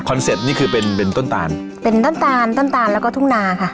เซ็ปต์นี่คือเป็นเป็นต้นตาลเป็นต้นตาลต้นตาลแล้วก็ทุ่งนาค่ะ